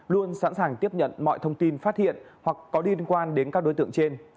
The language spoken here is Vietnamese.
luôn sẵn sàng tiếp nhận mọi thông tin phát hiện hoặc có liên quan đến các đối tượng trên